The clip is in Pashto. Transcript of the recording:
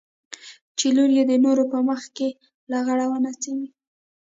چې لور يې د نورو په مخ کښې لغړه ونڅېږي.